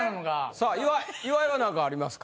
さあ岩井はなんかありますか？